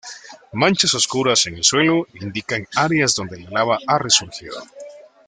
Manchas oscuras en el suelo indican áreas donde la lava ha resurgido.